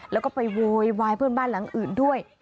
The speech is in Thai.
แล้วก็ไปโวยวายเพื่อนบ้านหลังอื่นด้วย